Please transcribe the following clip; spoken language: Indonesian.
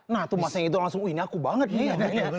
nah tuh masanya itu langsung oh ini aku banget nih